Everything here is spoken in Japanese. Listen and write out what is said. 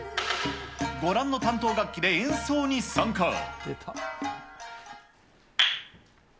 ご覧の担当楽器で演奏に参加。